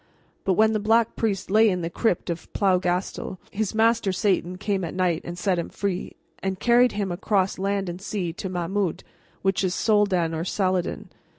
But when the Black Priest lay in the crypt of Plougastel, his master Satan came at night and set him free, and carried him across land and sea to Mahmoud, which is Soldan or Saladin.